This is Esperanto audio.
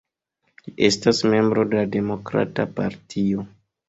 Li estas membro de la Demokrata Partio.